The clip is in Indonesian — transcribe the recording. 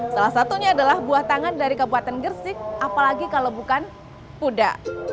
salah satunya adalah buah tangan dari kabupaten gersik apalagi kalau bukan kuda